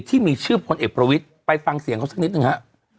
ที่มีชื่อพลเอกประวิทย์ไปฟังเสียงเขาสักนิดหนึ่งฮะ